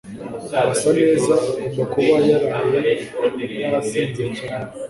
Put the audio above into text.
Arasa neza. Agomba kuba yaraye yasinze cyane.